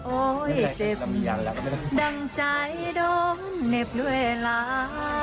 โอ้เซฟดั่งใจโด่งเหน็บด้วยร้า